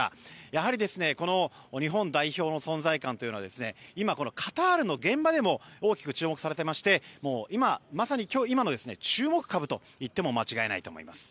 やはり日本代表の存在感は今、このカタールの現場でも大きく注目されていましてまさに今の注目株といってもいいと思います。